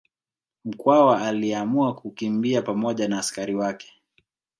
Mkwawa aliamua kukimbia pamoja na askari wake